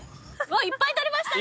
いっぱい採れましたね。